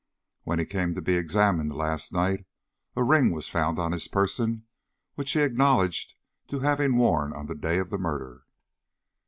When he came to be examined last night, a ring was found on his person, which he acknowledged to having worn on the day of the murder."